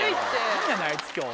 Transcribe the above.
何やねんあいつ今日。